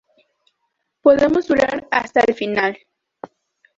Podemos durar hasta el final.